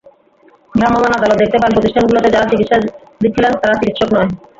ভ্রাম্যমাণ আদালত দেখতে পান প্রতিষ্ঠানগুলোতে যাঁরা চিকিৎসা দিচ্ছিলেন, তাঁরা চিকিৎসক নন।